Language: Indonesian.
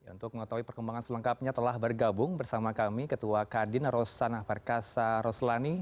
untuk mengetahui perkembangan selengkapnya telah bergabung bersama kami ketua kadin rosana perkasa roslani